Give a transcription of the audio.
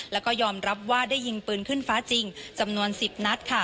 แล้วก็ยอมรับว่าได้ยิงปืนขึ้นฟ้าจริงจำนวน๑๐นัดค่ะ